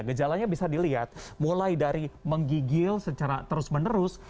gejalanya bisa dilihat mulai dari menggigil secara terus menerus